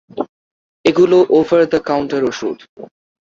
এগুলো over the counter ওষুধ।